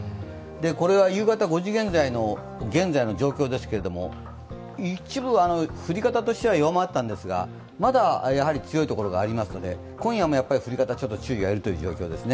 これは夕方５時現在の状況ですが、一部、降り方としては弱まったんですがまだやはり強いところがありますので今夜も降り方、注意が要るという状況ですね。